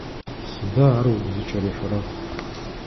Сыда ар угу зыкӀырихьрэр?